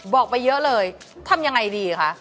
บอกไปเยอะเลยทำยังไงดีคะ